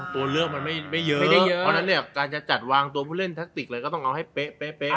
ตัวเลือกมันไม่เยอะไม่ได้เยอะเพราะฉะนั้นเนี่ยการจะจัดวางตัวผู้เล่นแท็กติกเลยก็ต้องเอาให้เป๊ะ